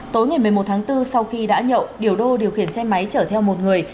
tối ngày một mươi một tháng bốn sau khi đã nhậu điều đô điều khiển xe máy chở theo một người